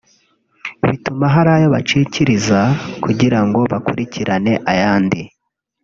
bituma hari ayo bacikiriza kugira ngo bakurikirane ayandi